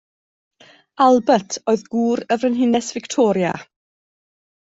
Albert oedd gŵr y frenhines Victoria.